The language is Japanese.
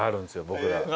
僕ら。